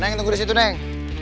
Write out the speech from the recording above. neng neng tunggu disitu neng